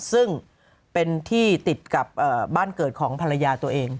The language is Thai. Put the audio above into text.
ซึ่งเป็นที่ติดกับบ้านเกิดของภรรยาตัวเอง